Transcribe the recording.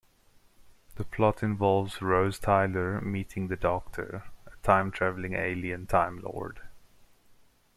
The plot involves Rose Tyler meeting the Doctor, a time-travelling alien Time Lord.